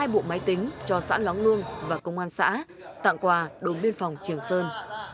hai bộ máy tính cho xã lóng lương và công an xã tặng quà đồn biên phòng trường sơn